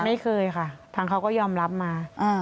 ไม่เคยค่ะทางเขาก็ยอมรับมา